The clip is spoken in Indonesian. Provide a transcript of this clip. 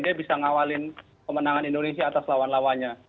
dia bisa ngawalin kemenangan indonesia atas lawan lawannya